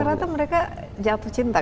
dan rata rata mereka jatuh cinta